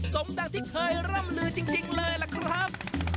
สมดังที่เคยร่ำลือจริงเลยล่ะครับ